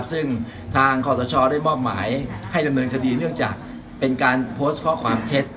ซึ่งทางขอสชได้มอบหมายให้ดำเนินคดีเนื่องจากเป็นการโพสต์ข้อความเท็จ